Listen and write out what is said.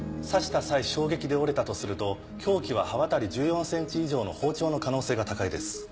刺した際衝撃で折れたとすると凶器は刃渡り１４ｃｍ以上の包丁の可能性が高いです。